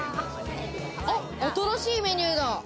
新しいメニューだ！